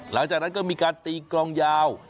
หลังจากนั้นก็มีการตีกลองยาว